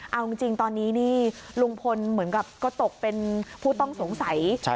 เอาจริงตอนนี้นี่ลุงพลเหมือนกับก็ตกเป็นผู้ต้องสงสัย